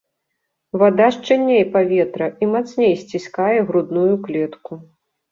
Вада шчыльней паветра і мацней сціскае грудную клетку.